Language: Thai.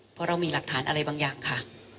เพราะเรามีหลักฐานอะไรบางอย่างค่ะ